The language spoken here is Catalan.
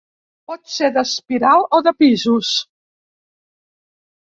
Pot ser d'espiral o de pisos.